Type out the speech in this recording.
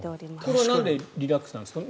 これはなんでリラックスなんですか？